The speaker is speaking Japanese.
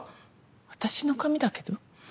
私の髪だけど？